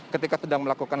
ketika sedang melakukan